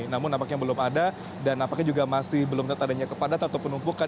namun nampaknya belum ada dan nampaknya juga masih belum tetap adanya kepadatan atau penumpukan